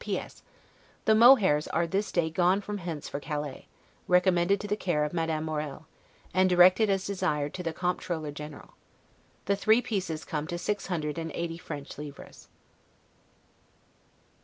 P. S. The mohairs are this day gone from hence for Calais, recommended to the care of Madame Morel, and directed, as desired, to the Comptroller general. The three pieces come to six hundred and eighty French livres.